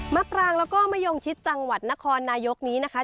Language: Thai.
ปรางแล้วก็มะยงชิดจังหวัดนครนายกนี้นะคะ